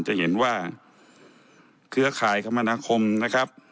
จะเห็นว่าเครือข่ายคมนาคมนะครับ